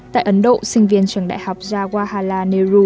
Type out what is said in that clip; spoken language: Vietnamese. tại ấn độ sinh viên trường đại học jawaharlal nehru